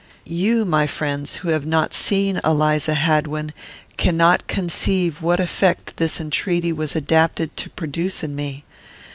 You, my friends, who have not seen Eliza Hadwin, cannot conceive what effect this entreaty was adapted to produce in me.